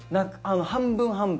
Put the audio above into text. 半分半分。